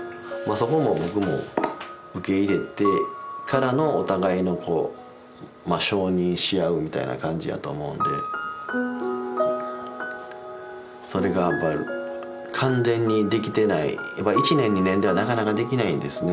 そこも僕も受け入れてからのお互いのこうまあ承認し合うみたいな感じやと思うんでそれがやっぱり完全にできてないやっぱ１年２年ではなかなかできないですね